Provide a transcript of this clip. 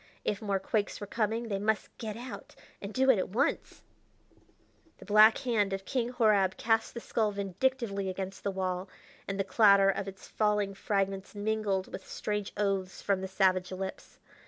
If more quakes were coming they must get out, and do it at once The black hand of King Horab cast the skull vindictively against the wall, and the clatter of its falling fragments mingled with strange oaths from the savage lips.